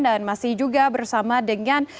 dan masih juga bersama dengan